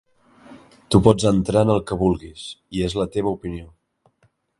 Tu pots entrar en el que vulguis i és la teva opinió.